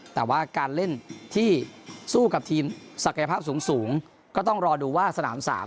แต่ว่าการเล่นที่สู้กับทีมศักยภาพสูงก็ต้องรอดูว่าสนาม๓